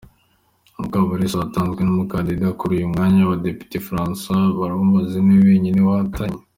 Mukabalisa watanzwe nk’umukandida kuri uyu mwanya na Depite François Byabarumwanzi niwe wenyine wahatanye.